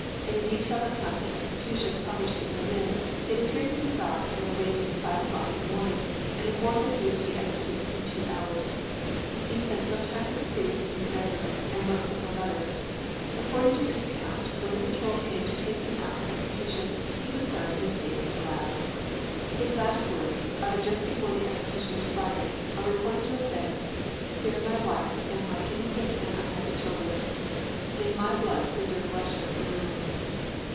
In a detailed account of the execution, published in Berlin, it appeared that the Czar had been awakened at five o'clock in the morning, and informed that he was to be executed in two hours. He spent some time with a priest in his bedroom and wrote several letters. According to this account, when the patrol came to take him out for execution he was found in a state of collapse. His last words, uttered just before the executioners fired, are reported to have been "Spare my wife and my innocent and unhappy children. May my blood preserve Russia from ruin."